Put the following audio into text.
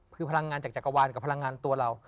คือพลังงานจากจักรวาลกับพลังงานตัวเรา